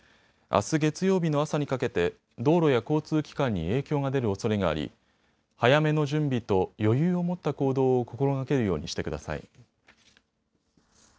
あす月曜日の朝にかけて道路や交通機関に影響が出るおそれがあり早めの準備と余裕を持った行動を心がけるようにしてください。